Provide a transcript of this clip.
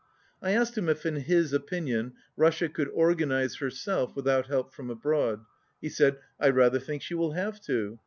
130 I asked him if in his opinion Russia could organ ize herself without help from abroad. He said, "I rather think she will have to.